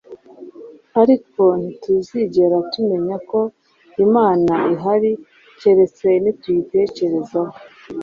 Ariko ntituzigera tumenya ko Imana ihari keretse nituyitekerezaho.